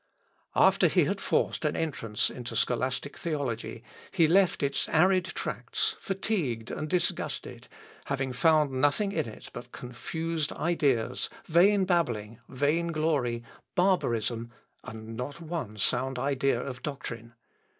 After he had forced an entrance into scholastic theology he left its arid tracts fatigued and disgusted, having found nothing in it but confused ideas, vain babbling, vain glory, barbarism, and not one sound idea of doctrine.